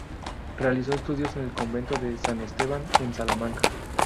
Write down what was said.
Realizó estudios en el Convento de San Esteban, en Salamanca.